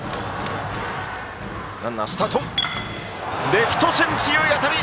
レフト線、強い当たり！